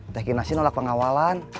tekinasi nolak pengawalan